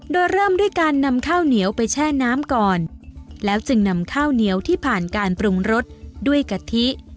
โดยเริ่มด้วยการนำข้าวเหนียวไปแช่น้ำก่อนแล้วจึงนำข้าวเหนียวที่ผ่านการปรุงรสด้วยกะทิ